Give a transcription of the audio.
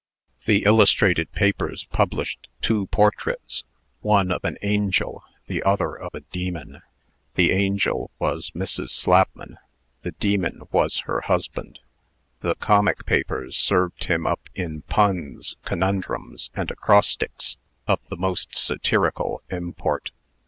The illustrated papers published two portraits one of an angel, the other of a demon. The angel was Mrs. Slapman: the demon was her husband. The comic papers served him up in puns, conundrums, and acrostics, of the most satirical import.